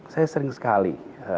saya sering sekali